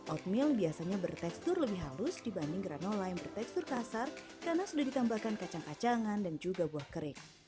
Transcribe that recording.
oatmeal biasanya bertekstur lebih halus dibanding granola yang bertekstur kasar karena sudah ditambahkan kacang kacangan dan juga buah kering